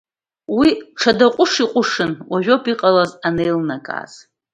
Уи ҽада ҟәыш иҟәышын, уажәоуп иҟалаз анеилнакааз.